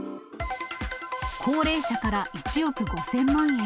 高齢者から１億５０００万円。